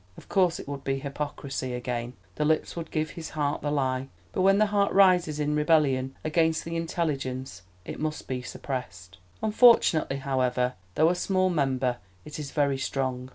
Of course it would be hypocrisy again, the lips would give his heart the lie; but when the heart rises in rebellion against the intelligence it must be suppressed. Unfortunately, however, though a small member, it is very strong.